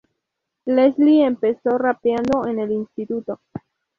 Leslie empezó rapeando en el instituto.